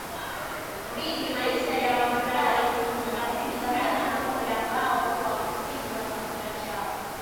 mbili Maisha ya Wamasai inahusika sana na ngombe ambao huwa msingi wa chakula chao